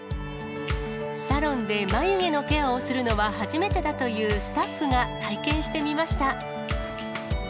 サロンで眉毛のケアをするのは初めてだというスタッフが体験してみました。